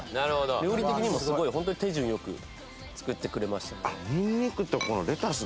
料理的にもすごいホントに手順良く作ってくれました。